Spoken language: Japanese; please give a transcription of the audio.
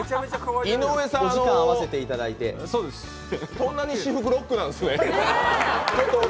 井上さん、こんなに私服ロックなんですね。